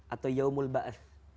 atau yaumul ba'ath